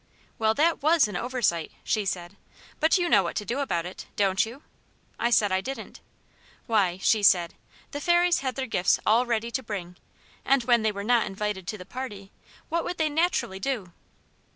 'Well, that was an oversight!' she said, 'but you know what to do about it, don't you?' I said I didn't. 'Why!' she said, 'the fairies had their gifts all ready to bring, and when they were not invited to the party, what would they naturally do?'